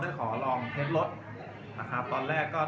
แต่ว่าเมืองนี้ก็ไม่เหมือนกับเมืองอื่น